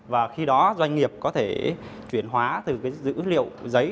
và khi đó doanh nghiệp có thể chuyển hóa từ dữ liệu giấy